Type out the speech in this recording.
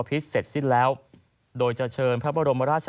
ที่มีโอกาสได้ไปชม